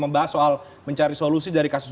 membahas soal mencari solusi dari kasus